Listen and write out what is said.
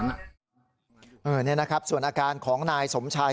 นี่นะครับส่วนอาการของนายสมชัย